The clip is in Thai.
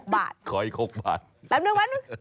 ๖บาทขออีก๖บาทแป๊บหนึ่ง